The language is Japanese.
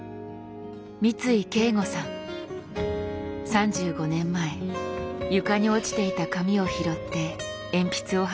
３５年前床に落ちていた紙を拾って鉛筆を走らせた人です。